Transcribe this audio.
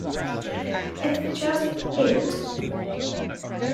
It's just 'It'.